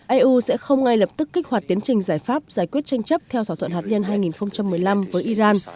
eu sẽ không ngay lập tức kích hoạt tiến trình giải pháp giải quyết tranh chấp theo thỏa thuận hạt nhân hai nghìn một mươi năm với iran